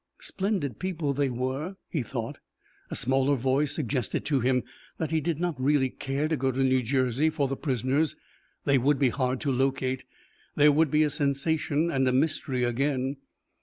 Splendid people they were, he thought. A smaller voice suggested to him that he did not really care to go to New Jersey for the prisoners. They would be hard to locate. There would be a sensation and a mystery again.